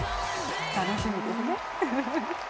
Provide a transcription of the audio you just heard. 楽しみですね。